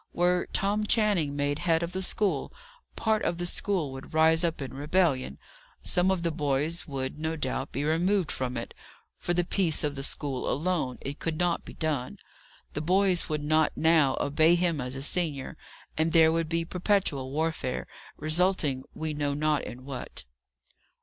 Were Tom Channing made head of the school, part of the school would rise up in rebellion; some of the boys would, no doubt, be removed from it. For the peace of the school alone, it could not be done. The boys would not now obey him as senior, and there would be perpetual warfare, resulting we know not in what."